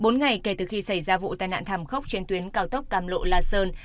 bốn ngày kể từ khi xảy ra vụ tai nạn thảm khốc trên tuyến cao tốc cam lộ la sơn